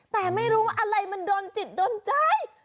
แต่ไม่รู้ว่าอะไรมันโดนจิตโดนใจ